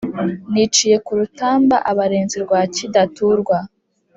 Niciye ku Rutamba abarenzi rwa Kidaturwa,